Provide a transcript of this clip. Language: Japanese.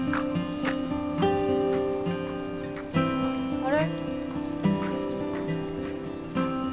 あれ？